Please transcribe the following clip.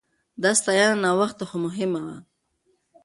دا ستاينه ناوخته خو مهمه وه.